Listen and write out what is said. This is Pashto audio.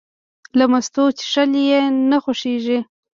له مستو څښل یې نه خوښېږي.